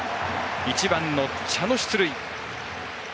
１番の茶野、出塁。